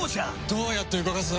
どうやって動かす？